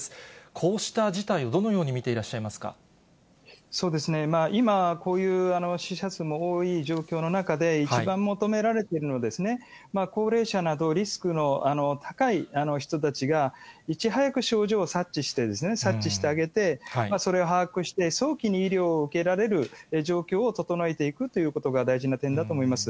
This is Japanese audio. こうした事態をどのように見てい今、こういう死者数も多い状況の中で、一番求められているのはですね、高齢者など、リスクの高い人たちが、いち早く症状を察知して、察知してあげて、それを把握して、早期に医療を受けられる状況を整えていくということが大事な点だと思います。